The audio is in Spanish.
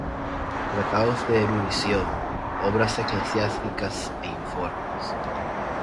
Tratados de erudición, obras eclesiásticas e informes.